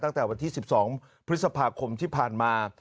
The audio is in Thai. ตั้งแต่วันที่๑๒พฤษภาคมที่ผ่านมา